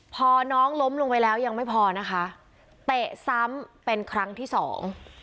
พอน้องล้มลงไปแล้วยังไม่พอนะคะเตะซ้ำเป็นครั้งที่สอง